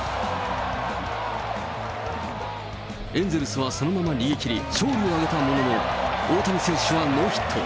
エンゼルスはそのまま逃げきり、勝利を挙げたものの、大谷選手はノーヒット。